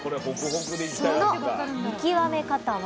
その見極め方は